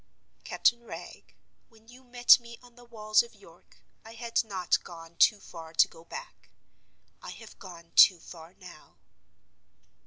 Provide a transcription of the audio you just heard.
"Captain Wragge, when you met me on the Walls of York I had not gone too far to go back. I have gone too far now."